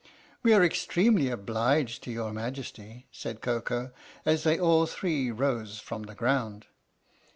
^ "We are extremely obliged to your Majesty," said Koko, as they all three rose from the ground.